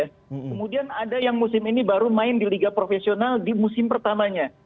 kemudian ada yang musim ini baru main di liga profesional di musim pertamanya